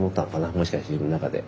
もしかして自分の中で。